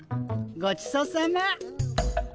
ごちそうさま。